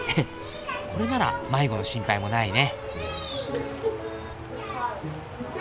これなら迷子の心配もないね。